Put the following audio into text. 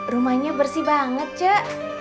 rumahnya bersih banget cuk